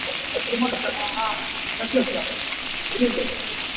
Mawtaw lam chunh an kan hnek nain an kan hnek kho lo.